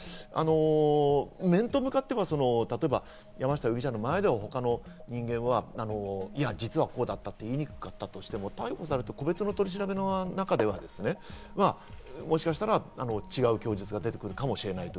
面と向かっては、例えば山下容疑者の前で他の人間は実はこうだったと言いにくかったとしても、逮捕されて個別の取り調べの中ではもしかしたら違う供述が出てくるかもしれない。